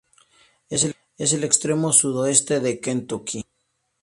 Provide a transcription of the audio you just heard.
Es el extremo sudoeste de Kentucky.